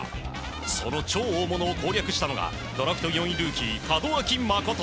その超大物を攻略したのがドラフト４位ルーキー門脇誠。